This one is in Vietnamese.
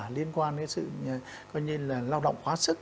liên quan đến sự coi như là lao động quá sức